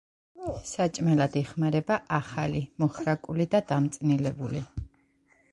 საჭმელად იხმარება ახალი, მოხრაკული და დამწნილებული.